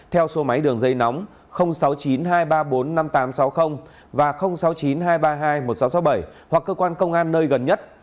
theo số máy đường dây nóng sáu mươi chín hai trăm ba mươi bốn năm nghìn tám trăm sáu mươi và sáu mươi chín hai trăm ba mươi hai một nghìn sáu trăm sáu mươi bảy hoặc cơ quan công an nơi gần nhất